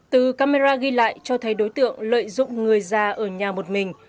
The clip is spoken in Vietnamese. từ camera ghi lại cho thấy đối tượng lợi dụng người già ở nhà một mình